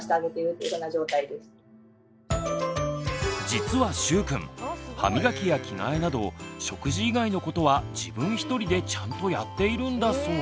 実はしゅうくん歯磨きや着替えなど食事以外のことは自分一人でちゃんとやっているんだそう。